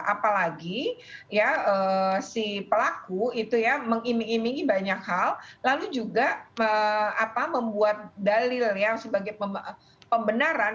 apalagi si pelaku itu mengiming imingi banyak hal lalu juga membuat dalil sebagai pembenaran